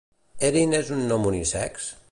Erin és un nom unisex?